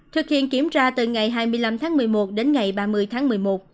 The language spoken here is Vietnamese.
thực hiện kiểm tra từ ngày hai mươi năm tháng một mươi một đến ngày ba mươi tháng một mươi một